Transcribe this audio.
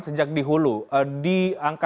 sejak di hulu di angka